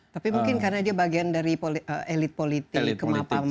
tapi mungkin karena dia bagian dari elit politik kemapamitan